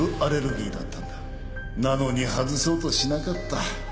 なのに外そうとしなかった